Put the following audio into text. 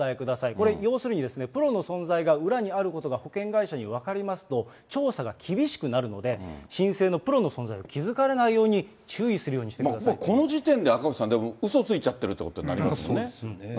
これ、要するにプロの存在が裏にあることが保険会社に分かりますと、調査が厳しくなるので、申請のプロの存在を気付かれないように、もうこの時点で赤星さん、うそついちゃってるということになりますからね。